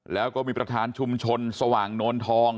แล้วก็มีประธานชุมชนสว่างโนนทอง